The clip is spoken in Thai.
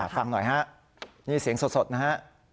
ฟังหน่อยฮะนี่เสียงสดนะฮะ